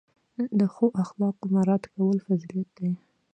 د ښو اخلاقو مراعت کول فضیلت دی.